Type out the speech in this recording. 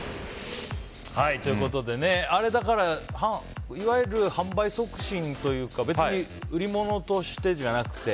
あれ、いわゆる販売促進というか別に売り物としてじゃなくて？